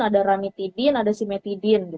ada ramitidin ada simetidin